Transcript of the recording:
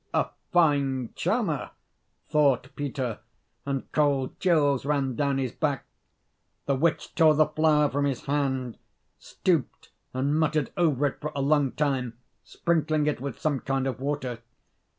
"A fine charmer!" thought Peter; and cold chills ran down his back. The witch tore the flower from his hand, stooped and muttered over it for a long time, sprinkling it with some kind of water.